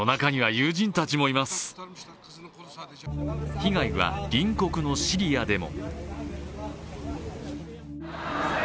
被害は隣国のシリアでも。